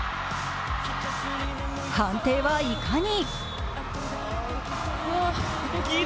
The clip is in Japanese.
判定はいかに？